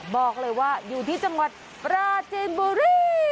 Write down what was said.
บอกเลยว่าอยู่ที่จังหวัดปราจีนบุรี